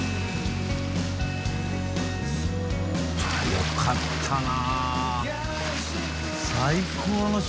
よかったな。